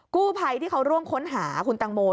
กู้ภัยที่เขาร่วมค้นหาคุณตังโม